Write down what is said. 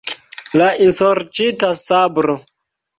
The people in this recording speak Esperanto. La ensorĉita sabro.